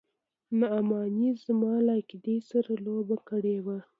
نعماني زما له عقيدې سره لوبه کړې وه.